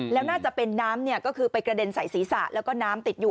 แล้วน่าจะเป็นน้ำก็คือไปกระเด็นใส่ศีรษะแล้วก็น้ำติดอยู่